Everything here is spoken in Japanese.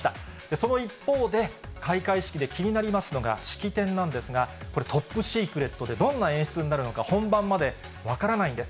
その一方で、開会式で気になりますのが式典なんですが、これ、トップシークレットでどんな演出になるのか、本番まで分からないんです。